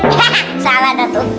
haha salah datu